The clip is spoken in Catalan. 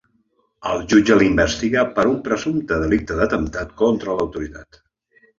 El jutge l’investiga per un presumpte delicte d’atemptat contra l’autoritat.